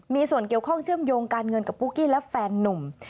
มีส่วนเกี่ยวข้องเชื่อมโยงการเงินกับปุ๊กกี้และแฟนนุ่ม